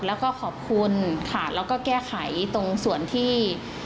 แล้วก็ขอบคุณค่ะแล้วก็แก้ไขตรงส่วนที่